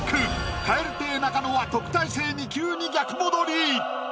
蛙亭中野は特待生２級に逆戻り。